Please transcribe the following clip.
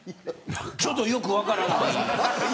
ちょっとよく分からない。